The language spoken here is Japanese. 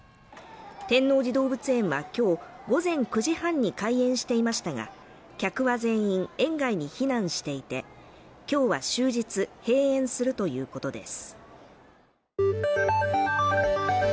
天王寺動物園はきょう午前９時半に開園していましたが客は全員園外に避難していて今日は終日閉園するということです